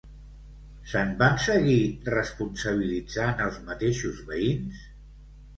Se'n van seguir responsabilitzant els mateixos veïns?